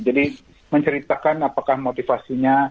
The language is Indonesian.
jadi menceritakan apakah motivasinya